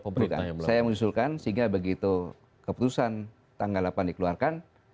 saya mengusulkan sehingga begitu keputusan tanggal delapan dikeluarkan